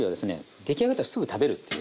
出来上がったらすぐ食べるっていう。